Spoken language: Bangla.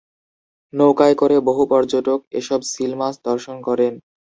নৌকায় করে বহু পর্যটক এসব সীল মাছ দর্শন করেন।